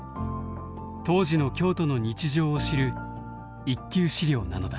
当時の京都の日常を知る一級資料なのだ。